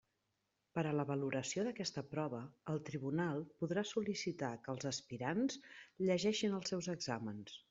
Per a la valoració d'aquesta prova el tribunal podrà sol·licitar que els aspirants llegeixin els seus exàmens.